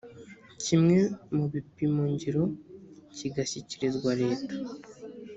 kimwe mu bipimongiro kigashyikirizwa leta